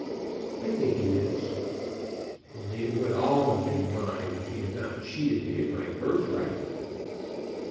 "I think he is." "Only it would all have been mine if he had not cheated me of my birthright."